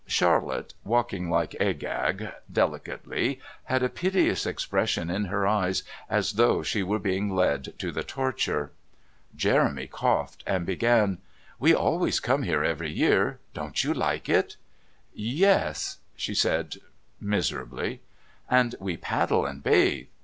Charlotte, walking like Agag, "delicately," had a piteous expression in her eyes as though she were being led to the torture. Jeremy coughed and began: "We always come here every year. Don't you like it?" "Yes," she said miserably. "And we paddle and bathe.